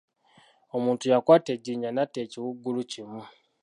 Omuntu yakwata ejjinja natta ekiwuugulu kimu.